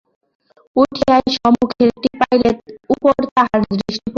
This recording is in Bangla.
উঠিয়াই সম্মুখের টিপাইয়ের উপর তাহার দৃষ্টি পড়িল।